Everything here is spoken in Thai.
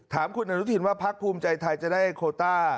ถามคุณอนุทินว่าพักภูมิใจไทยจะได้โคต้า